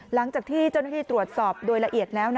หลังจากที่เจ้าหน้าที่ตรวจสอบโดยละเอียดแล้ว